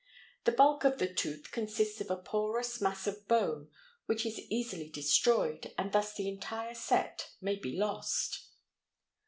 The bulk of the tooth consists of a porous mass of bone which is easily destroyed, and thus the entire set may be lost.